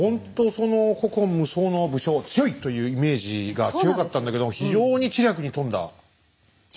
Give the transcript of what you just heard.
その古今無双の武将強いというイメージが強かったんだけど非常に知略に富んだ男だったね。